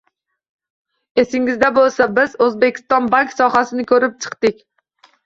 Esingizda bo'lsa, biz O'zbekiston bank sohasini ko'rib chiqdik